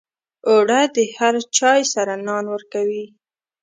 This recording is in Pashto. اوړه د هر چای سره نان ورکوي